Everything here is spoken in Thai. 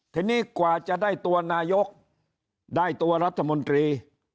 ทีนี้กว่าจะได้ตัวนายกได้ตัวรัฐมนตรี